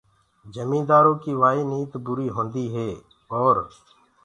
جميندآرو ڪي وآئي نيت بري هوندي هي اور